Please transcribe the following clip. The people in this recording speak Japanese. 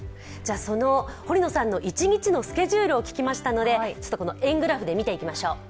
その堀野さんの一日のスケジュールを聞きましたので、円グラフで見ていきましょう。